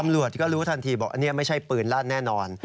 ตำรวจก็รู้ทันทีบอกอันนี้ไม่ใช่ปืนลั่นแน่นอน